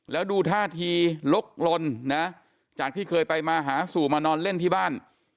แล้วดูท่าทีลกลนนะจากที่เคยไปมาหาสู่มานอนเล่นที่บ้าน